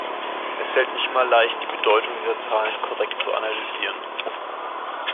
Es fällt nicht immer leicht, die Bedeutung dieser Zahlen korrekt zu analysieren.